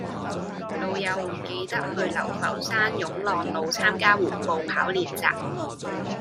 老友唔記得去流浮山湧浪路參加緩步跑練習